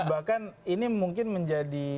bahkan ini mungkin menjadi